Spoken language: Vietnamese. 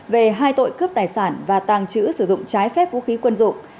về hai tội cướp tài sản và tàng trữ sử dụng trái phép vũ khí quân dụng